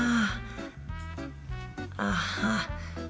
ああ。